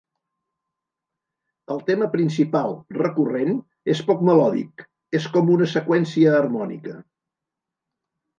El tema principal, recurrent, és poc melòdic; és com una seqüència harmònica.